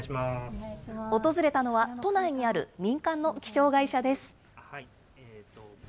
訪れたのは、都内にある民間の気象会社です。